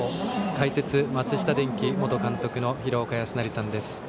解説、松下電器元監督の廣岡資生さんです。